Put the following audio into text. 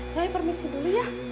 saya permisi dulu ya